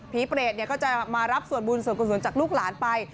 เปรตก็จะมารับส่วนบุญส่วนกุศลจากลูกหลานไป